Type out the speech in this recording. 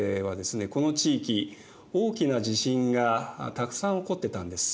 この地域大きな地震がたくさん起こってたんです。